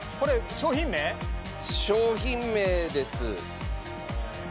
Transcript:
商品名です。